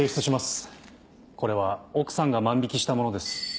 これは奥さんが万引したものです。